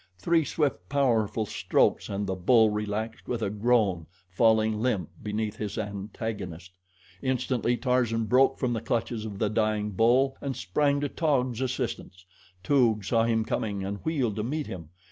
Three swift, powerful strokes and the bull relaxed with a groan, falling limp beneath his antagonist. Instantly Tarzan broke from the clutches of the dying bull and sprang to Taug's assistance. Toog saw him coming and wheeled to meet him.